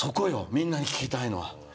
みんなに聞きたいのは。